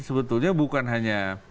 sebetulnya bukan hanya